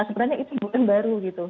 sebenarnya itu bukan baru gitu